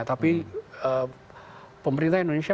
tapi pemerintah indonesia